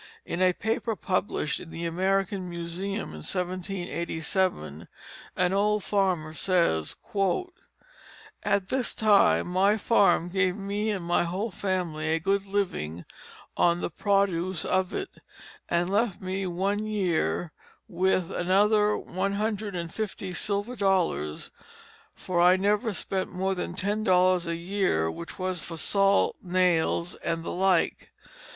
In a paper published in the American Museum in 1787 an old farmer says: "At this time my farm gave me and my whole family a good living on the produce of it, and left me one year with another one hundred and fifty silver dollars, for I never spent more than ten dollars a year which was for salt, nails, and the like.